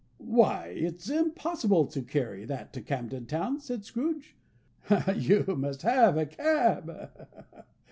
"Why, it's impossible to carry that to Camden Town," said Scrooge. "You must have a cab."